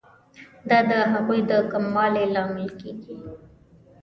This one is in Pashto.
دا د هغوی د کموالي لامل کیږي.